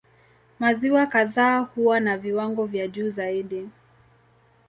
Maziwa kadhaa huwa na viwango vya juu zaidi.